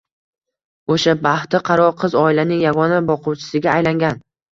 O’sha bahti qaro qiz oilaning yagona boquvchisiga aylangan.